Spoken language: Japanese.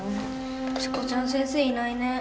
しこちゃん先生いないね。